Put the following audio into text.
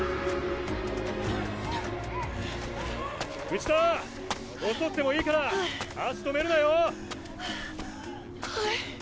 内田遅くてもいいから足止めるなよ！ははい。